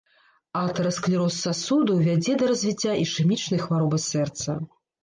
Атэрасклероз сасудаў вядзе да развіцця ішэмічнай хваробы сэрца.